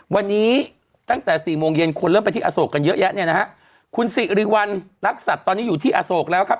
วันนี้ตั้งแต่สี่โมงเย็นคนเริ่มไปที่อโศกกันเยอะแยะเนี่ยนะฮะคุณสิริวัณรักษัตริย์ตอนนี้อยู่ที่อโศกแล้วครับ